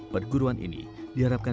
perguruan ini diharapkan